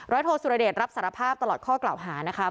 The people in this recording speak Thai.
โทษสุรเดชรับสารภาพตลอดข้อกล่าวหานะคะ